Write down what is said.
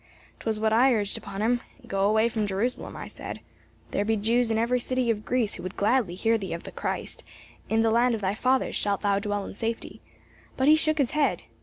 "'Twas what I urged upon him. Go away from Jerusalem, I said. There be Jews in every city of Greece who would gladly hear thee of the Christ; in the land of thy fathers shalt thou dwell in safety. But he shook his head.